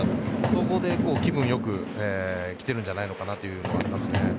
そこで、気分良くきてるんじゃないのかなというのがありますね。